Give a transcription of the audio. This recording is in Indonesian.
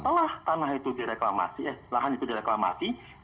setelah tanah itu direklamasi eh lahan itu direklamasi